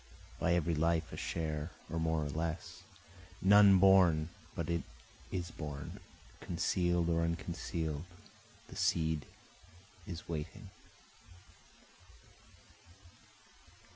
By every life a share or more or less, None born but it is born, conceal'd or unconceal'd the seed is waiting.